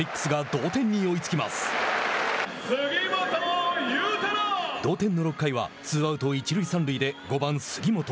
同点の６回はツーアウト、一塁三塁で５番杉本。